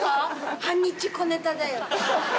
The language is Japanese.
半日小ネタだよ。